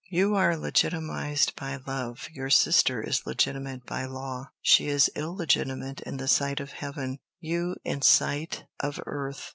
You are legitimized by love, your sister is legitimate by law. She is illegitimate in the sight of heaven, you in sight of earth.